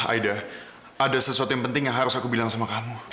aida ada sesuatu yang penting yang harus aku bilang sama kamu